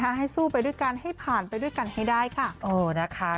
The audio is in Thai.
ซึ่งค่ะให้สู้ไปด้วยกันให้ผ่านไปด้วยกันให้ได้ค่ะ